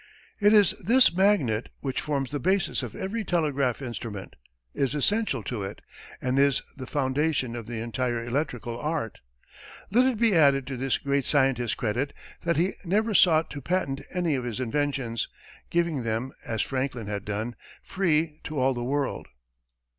It is this magnet which forms the basis of every telegraph instrument is essential to it, and is the foundation of the entire electrical art. Let it be added to this great scientist's credit that he never sought to patent any of his inventions, giving them, as Franklin had done, free to all the world.